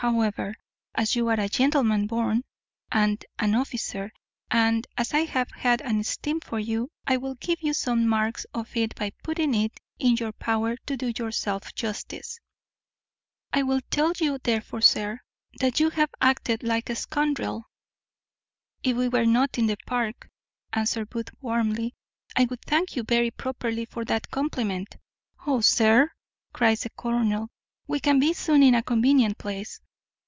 However, as you are a gentleman born, and an officer, and as I have had an esteem for you, I will give you some marks of it by putting it in your power to do yourself justice. I will tell you therefore, sir, that you have acted like a scoundrel." "If we were not in the Park," answered Booth warmly, "I would thank you very properly for that compliment." "O, sir," cries the colonel, "we can be soon in a convenient place."